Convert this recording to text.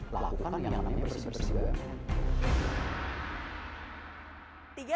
lakukan yang namanya bersih bersih